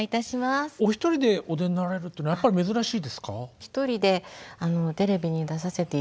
お一人でお出になられるっていうのはやっぱり珍しいですか？